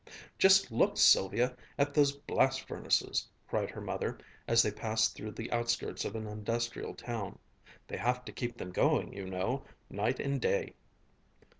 "Just look, Sylvia, at those blast furnaces!" cried her mother as they passed through the outskirts of an industrial town. "They have to keep them going, you know, night and day."